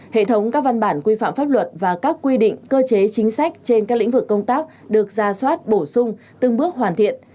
hệ thống các văn bản quy phạm pháp luật và các quy định cơ chế chính sách trên các lĩnh vực công tác được ra soát bổ sung từng bước hoàn thiện